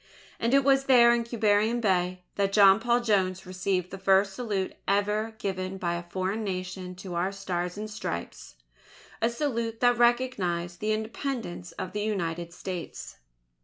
And it was there in Quiberon Bay, that John Paul Jones received the first salute ever given by a foreign Nation to our Stars and Stripes a salute that recognized the Independence of the United States.